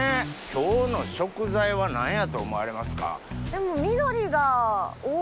今日の食材は何やと思われますか？